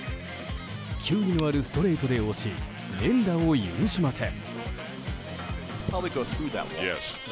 球威のあるストレートで押し連打を許しません。